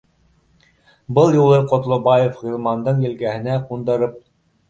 Был юлы Ҡотлобаев Ғилмандың елкәһенә ҡундырып